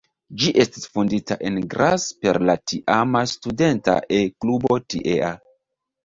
Ĝi estis fondita en Graz per la tiama studenta E-klubo tiea.